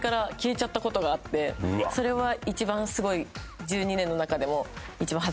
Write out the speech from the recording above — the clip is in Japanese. それは一番すごい。